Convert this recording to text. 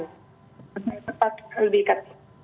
kesempatan lebih ke